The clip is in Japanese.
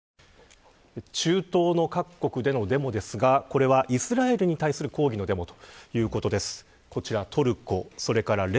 中東の各国でのデモですがこれはイスラエルに対する抗議のデモということです。